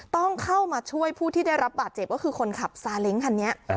ต้องเข้ามาช่วยผู้ที่ได้รับบาดเจ็บก็คือคนขับซาเล้งคันนี้